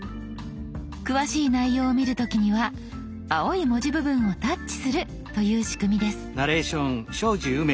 詳しい内容を見る時には青い文字部分をタッチするという仕組みです。